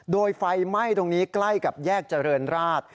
โดยไฟไหม้ตรงนี้ใกล้กับแยกเจริญราช